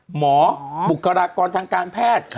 บุคลากรทางการแพทย์